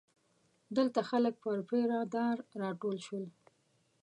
دلته خلک پر پیره دار راټول شول.